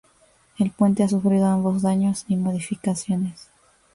El puente ha sufrido ambos daños y modificaciones.